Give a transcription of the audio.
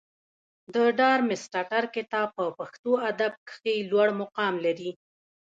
د ډارمستتر کتاب په پښتو ادب کښي لوړ مقام لري.